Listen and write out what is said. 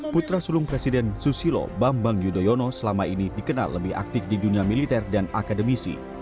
putra sulung presiden susilo bambang yudhoyono selama ini dikenal lebih aktif di dunia militer dan akademisi